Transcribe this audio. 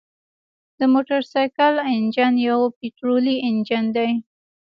د موټرسایکل انجن یو پطرولي انجن دی.